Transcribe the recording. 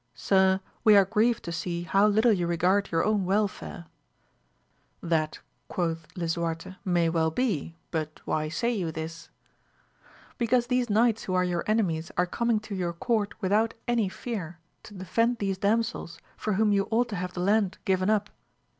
Sir, we are grieved to see how little you regard your own welfare ; that, quoth 132 AMADIS OF GAUL Lisuarte, may well be, but why say you this ?— ^Be cause these knights who are your enemies are coming to your court without any fear to defend these dam sels for whom you ought to have the land given up.